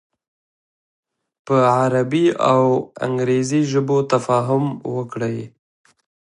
په عربي او انګریزي ژبو تفاهم وکړي.